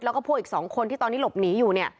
แล้วก็พวกอีก๒คนที่ตอนนี้หลบหนีอยู่